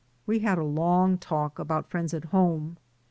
We had a long talk about friends at home.